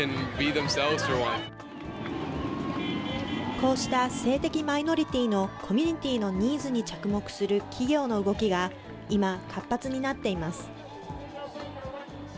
こうした性的マイノリティーのコミュニティのニーズに着目する企業の動きが今、活発になっています。